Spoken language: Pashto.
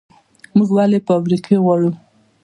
موږ ولې فابریکې غواړو؟